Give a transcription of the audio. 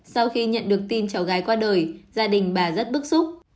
sau khi nhận được tin cháu gái qua đời gia đình bà rất bức xúc